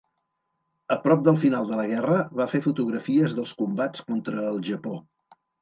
A prop del final de la guerra, va fer fotografies dels combats contra el Japó.